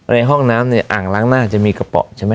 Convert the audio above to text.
ในห้องน้ำเนี่ยอ่างล้างหน้าจะมีกระเป๋าใช่ไหม